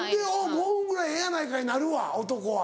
５分ぐらいええやないかい」になるわ男は。